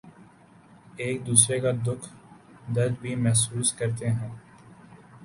ایک دوسرے کا دکھ درد بھی محسوس کرتے ہیں